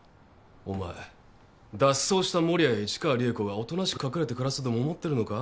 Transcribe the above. お前脱走した守谷や市川利枝子がおとなしく隠れて暮らすとでも思ってるのか？